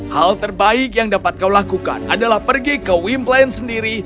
hal terbaik yang dapat kau lakukan adalah pergi ke wimpline sendiri